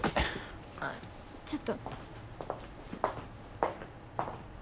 ああちょっと。